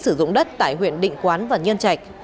sử dụng đất tại huyện định quán và nhân trạch